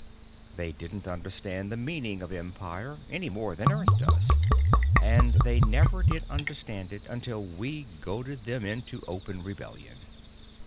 They didn't understand the meaning of Empire any more than Earth does, and they never did understand it until we goaded them into open rebellion.